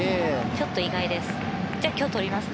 ちょっと意外です。